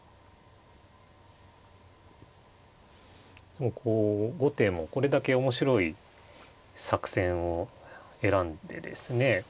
もうこう後手もこれだけ面白い作戦を選んでですね